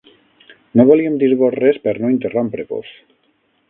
No volíem dir-vos res per no interrompre-vos.